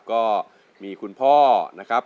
ก็มีคุณพ่อนะครับ